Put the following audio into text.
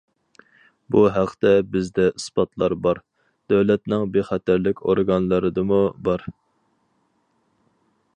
بۇ ھەقتە بىزدە ئىسپاتلار بار، دۆلەتنىڭ بىخەتەرلىك ئورگانلىرىدىمۇ بار.